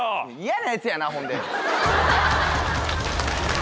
嫌なやつやなほんで。